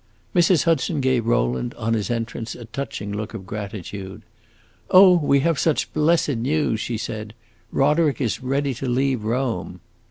Mrs. Hudson gave Rowland, on his entrance, a touching look of gratitude. "Oh, we have such blessed news!" she said. "Roderick is ready to leave Rome."